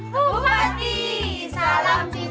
bupati salam jantung